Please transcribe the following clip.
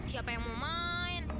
siapa yang mau main